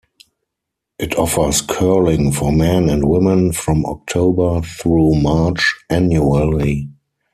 It offers curling for men and women from October through March annually.